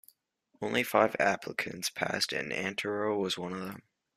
Only five applicants passed and Antero was one of them.